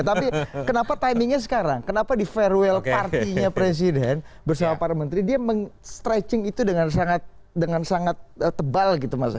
tapi kenapa timingnya sekarang kenapa di farewell partinya presiden bersama para menteri dia men stretching itu dengan sangat tebal gitu mas eko